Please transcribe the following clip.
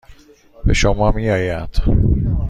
به شما میآید.